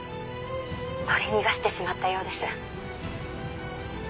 取り逃がしてしまったようです。